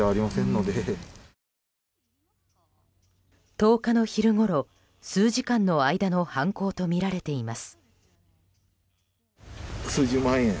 １０日の昼ごろ、数時間の間の犯行とみられています。